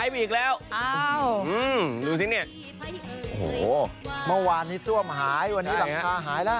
เมื่อวานนี้ซ้วมหายชนะวันนี้หลังคาหายแล้ว